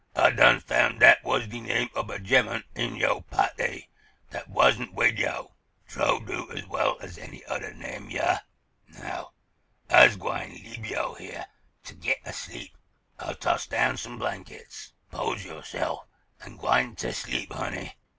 Ah done foun' dat was de name ob a gemmun in yo' pahty dat wasn't wid yo'. Truax do as well as any odder name—yah! Now, Ah's gwine leab yo' heah t' git a sleep. Ah'll toss down some blankets. 'Pose yo'se'f and gwine ter sleep, honey.